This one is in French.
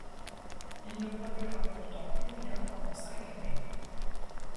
Il ne produira pourtant plus rien pendant cinq années.